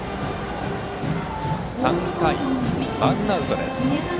３回、ワンアウトです。